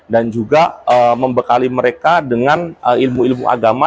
dan juga membekali mereka dengan ilmu ilmu agama